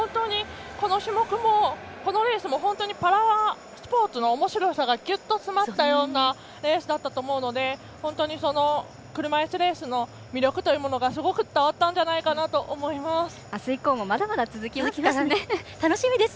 この種目も、このレースも本当にパラスポーツのおもしろさがぎゅっと詰まったようなレースだったと思うので車いすレースの魅力というものがすごく伝わったんじゃないかなと思います。